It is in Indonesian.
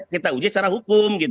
kita uji secara hukum